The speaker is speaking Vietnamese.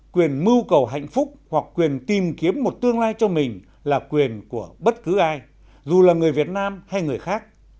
quyền mưu cầu hạnh phúc hoặc quyền tìm kiếm một tương lai cho mình là quyền của bất cứ ai dù là người việt nam hay người khác